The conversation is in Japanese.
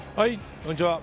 こんにちは。